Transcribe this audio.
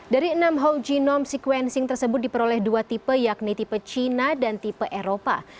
dari enam whole genome sequencing tersebut diperoleh dua tipe yakni tipe china dan tipe eropa